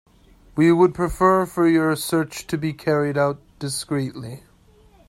We would prefer for your search to be carried out discreetly.